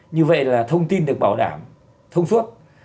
như vậy là thông tin được bảo đảm thông suốt